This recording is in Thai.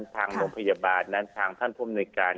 ทางโรงพยาบาลนั้นทางท่านภูมิในการ